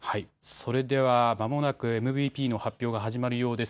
それでは、まもなくＭＶＰの発表が始まるようです。